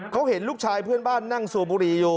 เขาเห็นลูกชายเพื่อนบ้านนั่งสูบบุหรี่อยู่